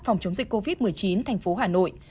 phòng chống dịch covid một mươi chín thành phố hà nội